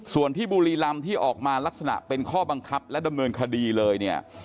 ส่วนที่บุรีรำที่ออกมาลักษณะเป็นข้อบังคับและดำเนินคดีเลยเนี่ย